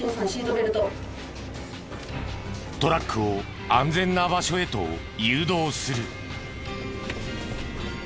トラックを安全な場所へと誘導する。